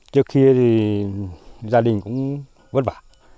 trước khi thì gia đình cũng vất vả